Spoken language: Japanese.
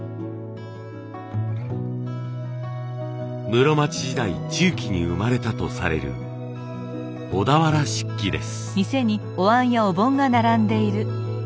室町時代中期に生まれたとされる小田原漆器です。